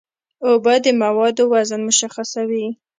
اوبه د موادو وزن مشخصوي.